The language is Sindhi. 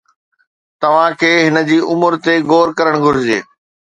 توهان کي هن جي عمر تي غور ڪرڻ گهرجي